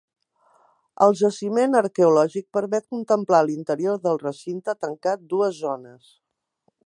El jaciment arqueològic permet contemplar a l'interior del recinte tancat dues zones.